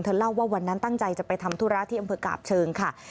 เล่าว่าวันนั้นตั้งใจจะไปทำธุระที่อำเภอกาบเชิงค่ะ